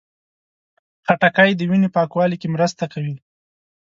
خټکی د وینې پاکوالي کې مرسته کوي.